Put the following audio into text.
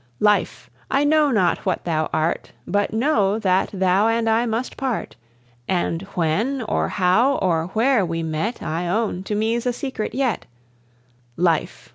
Life! I know not what thou art. But know that thou and I must part; And when, or how, or where we met, I own to me's a secret yet. Life!